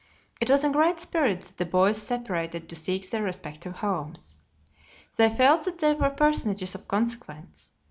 It was in great spirits that the boys separated to seek their respective homes. They felt that they were personages of consequence.